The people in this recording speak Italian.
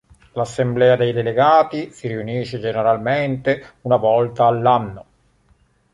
L'assemblea dei delegati si riunisce generalmente una volta all'anno.